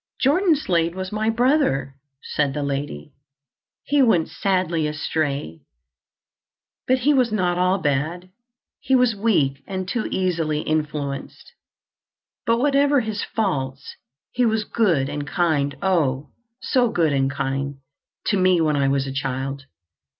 "Jordan Slade was my brother," said the lady. "He went sadly astray, but he was not all bad. He was weak and too easily influenced. But whatever his faults, he was good and kind—oh! so good and kind—to me when I was a child.